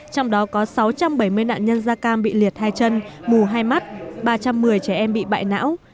trong đó có sáu trăm bảy mươi nạn nhân da cam bị liệt hai chân mù hai mắt ba trăm một mươi trẻ em bị bại não